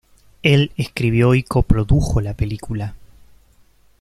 Él escribió y coprodujo la película.